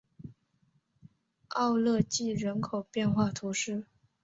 奥勒济人口变化图示